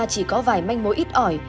chỉ có vài manh mối ít ỏi